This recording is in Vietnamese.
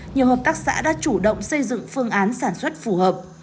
nhiều hợp tác xã đã chủ động xây dựng phương án sản xuất phù hợp